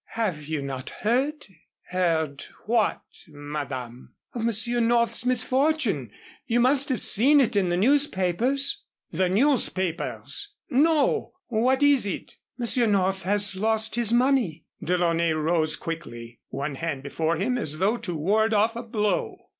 "Have you not heard?" "Heard what, Madame?" "Of Monsieur North's misfortune you must have seen it in the newspapers " "The newspapers! No what is it?" "Monsieur North has lost his money." DeLaunay rose quickly, one hand before him as though to ward off a blow.